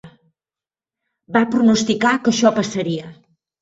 Va pronosticar que això passaria.